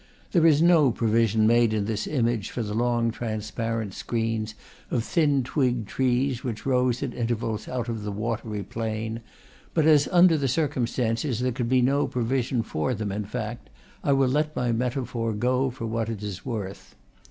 There is no provision made in this image for the long, transparent screens of thin twigged trees which rose at intervals out of the watery plain; but as, under the circumstances, there seemed to be no provision for them in fact, I will let my metaphor go for what it is worth.